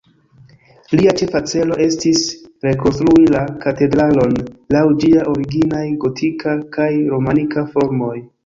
Lia ĉefa celo estis, rekonstrui la katedralon laŭ ĝia originaj gotika kaj romanika formoj.